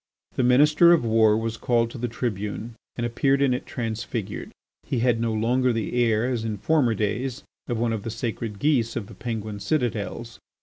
The Minister of War was called to the tribune and appeared in it transfigured. He had no longer the air, as in former days, of one of the sacred geese of the Penguin citadels.